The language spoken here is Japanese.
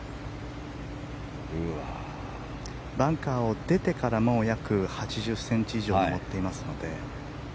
バンカーを出てからも約８０ｃｍ以上上っていますので。